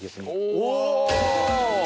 お！